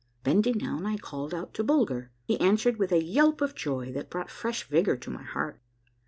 Bending down, I called out to Bulger. He answered with a yelp of joy that brought fresh vigor to my heart.